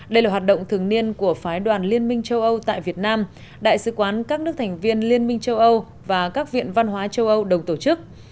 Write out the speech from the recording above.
đây là hoạt động thường niên của phái đoàn liên minh châu âu tại việt nam đại sứ quán các nước thành viên liên minh châu âu và các viện văn hóa châu âu đồng tổ chức